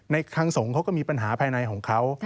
ทางสงฆ์เขาก็มีปัญหาภายในของเขา